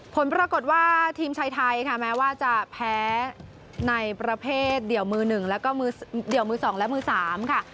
ผลปรากฏว่าทีมชายไทยค่ะแม้ว่าจะแพ้ในประเภทเดี่ยวมือสองและมือสามค่ะ